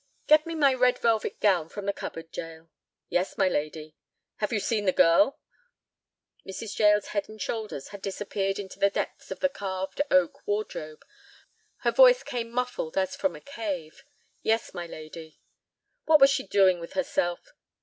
"Get me my red velvet gown from the cupboard, Jael." "Yes, my lady." "Have you seen the girl?" Mrs. Jael's head and shoulders had disappeared into the depths of the carved oak wardrobe. Her voice came muffled as from a cave. "Yes, my lady." "What was she doing with herself?"